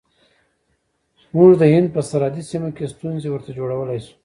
موږ د هند په سرحدي سیمو کې ستونزې ورته جوړولای شو.